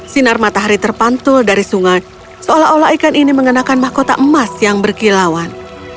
sinar matahari terpantul dari sungai seolah olah ikan ini mengenakan mahkota emas yang berkilauan